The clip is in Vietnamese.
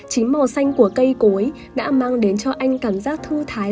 vì mình thấy rất là vui